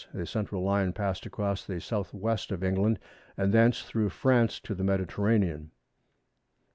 The central line passed across the S. W. of England, and thence through France to the Mediterranean.